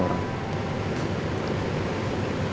aku masuknya din